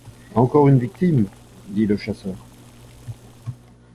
Encore une victime ! dit le chasseur.